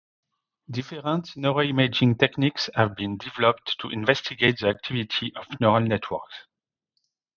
Different neuroimaging techniques have been developed to investigate the activity of neural networks.